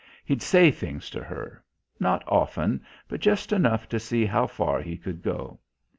He'd say things to her; not often, but just enough to see how far he could go.